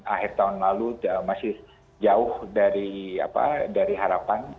akhir tahun lalu masih jauh dari harapan